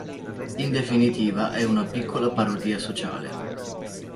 In definitiva è una piccola parodia sociale.